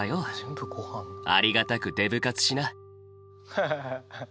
ハハハ。